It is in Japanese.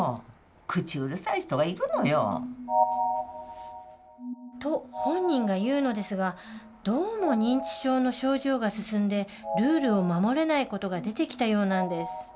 口うるさい人がいるのよ。と本人が言うのですがどうも認知症の症状が進んでルールを守れない事が出てきたようなんです。